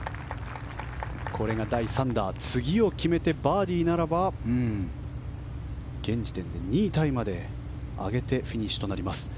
これが第３打次を決めてバーディーならば現時点で２位タイまで上げてフィニッシュとなります。